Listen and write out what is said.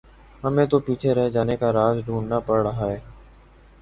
ہمیں تو پیچھے رہ جانے کا راز ڈھونڈنا پڑ رہا ہے۔